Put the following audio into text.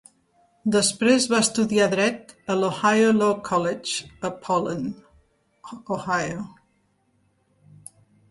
Després va estudiar dret a l'Ohio Law College a Poland, Ohio.